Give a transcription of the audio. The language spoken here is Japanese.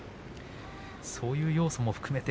そういう要素も含めて